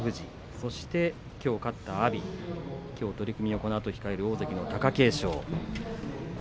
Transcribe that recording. そして、きょう勝った阿炎きょう取組をこのあと控える大関貴景勝。